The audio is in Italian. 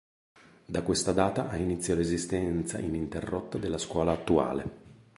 Da questa data ha inizio l'esistenza ininterrotta della scuola attuale.